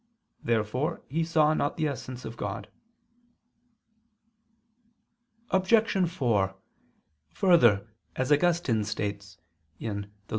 Therefore he saw not the essence of God. Obj. 4: Further, as Augustine states (Gen. ad lit.